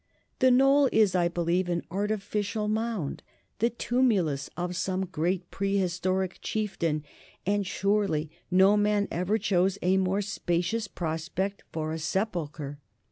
The Knoll is, I believe, an artificial mound, the tumulus of some great prehistoric chieftain, and surely no man ever chose a more spacious prospect for a sepulchre.